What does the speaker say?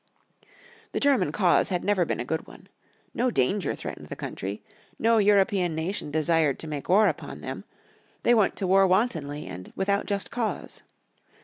The German cause had never been a good one. No danger threatened the country. No European nation desired to make war upon them. They went to war wantonly, and without just cause.